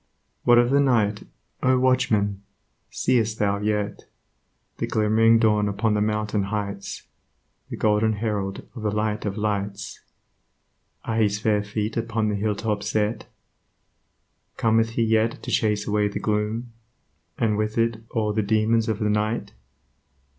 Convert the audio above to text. What of the night, O Watchman! see'st thou yet The glimmering dawn upon the mountain heights, The golden Herald of the Light of lights, Are his fair feet upon the hilltops set? Cometh he yet to chase away the gloom, And with it all the demons of the Night?